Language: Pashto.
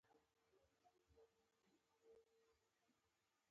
د سینې د زخم لپاره د خپلې شیدې وکاروئ